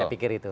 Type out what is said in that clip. saya pikir itu